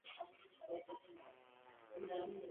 Un año más tarde publicó su primer libro de poemas.